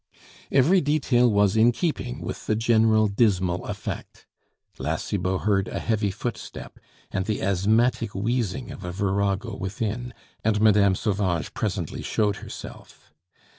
Every detail was in keeping with the general dismal effect. La Cibot heard a heavy footstep, and the asthmatic wheezing of a virago within, and Mme. Sauvage presently showed herself.